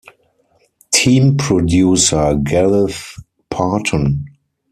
Team producer, Gareth Parton.